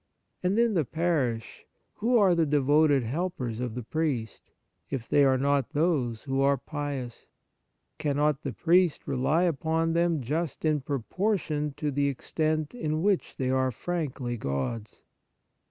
And, in the parish, who are the devoted helpers of the priest, if they are not those who are pious ? Cannot the priest rely upon them just in proportion to the extent in which they are frankly God's